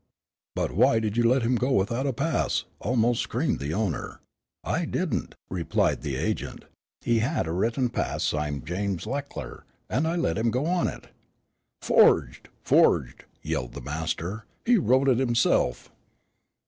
"But why did you let him go without a pass?" almost screamed the owner. "I didn't," replied the agent. "He had a written pass, signed James Leckler, and I let him go on it." "Forged, forged!" yelled the master. "He wrote it himself."